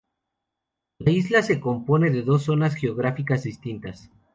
La isla se compone de dos zonas geográficas distintas.